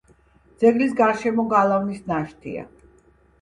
ძეგლის გარშემო გალავნის ნაშთია.